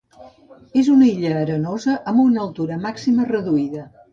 És una illa arenosa amb una altura màxima reduïda.